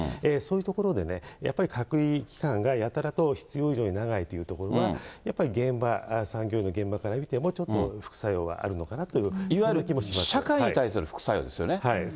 そういうところで、やっぱり隔離期間がやたらと必要以上に長いというところは、やっぱり現場、産業医の現場から見ても、ちょっと副作用はあるのかなと、いわゆる社会に対する副作用ですよね。